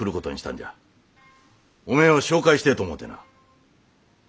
おめえを紹介してえと思うてな。